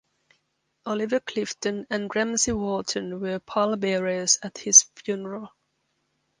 Oliver Clifton and Ramsey Wharton were pallbearers at his funeral.